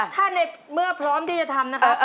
ถ้าในเมื่อพร้อมที่จะทำนะคะ